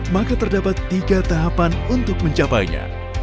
maka terdapat tiga tahapan untuk mencapainya